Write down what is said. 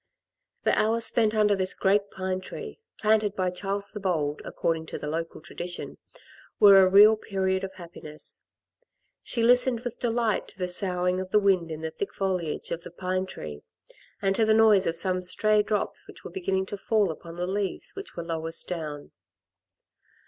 The hours spent under this great pine tree, planted by by Charles the Bold according to the local tradition, were a real period of happiness. She listened with delight to the soughing of the wind in the thick foliage of the pine tree and to the noise of some stray drops which were beginning to fall upon the leaves which were lowest down.